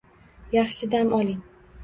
Yaxshi dam oling!